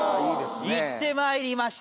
行ってまいりました。